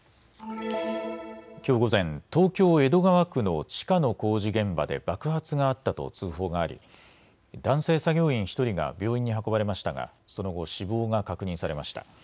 きょう午前、東京江戸川区の地下の工事現場で爆発があったと通報があり男性作業員１人が病院に運ばれましたがその後、死亡が確認されました。